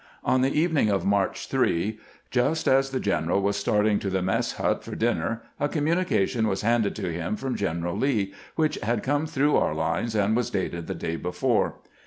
On the evening of March 3, just as the general was starting to the mess hut for dinner, a communication was handed to him from General Lee, which had come through our lines, and was dated the day before.